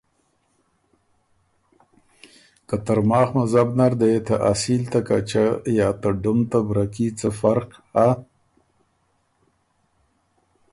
که ترماخ مذهب نر دې ته اصیل ته کچه یا ته ډُم ته بره کي څه فرخ هۀ؟